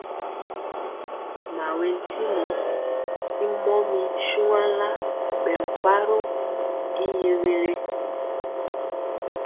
Mawɛtyimɔ y mɔmir shuanla bɛ mparoo y yɛgɛle.